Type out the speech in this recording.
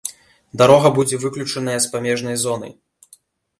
Дарога будзе выключаная з памежнай зоны.